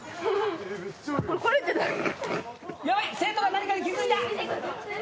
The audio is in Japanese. ヤバい生徒が何かに気付いた。